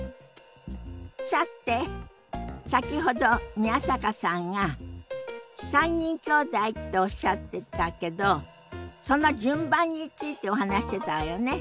さて先ほど宮坂さんが３人きょうだいっておっしゃってたけどその順番についてお話ししてたわよね。